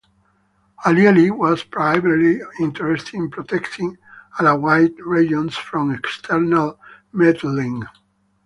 Al-Ali was primarily interested in protecting Alawite regions from external meddling.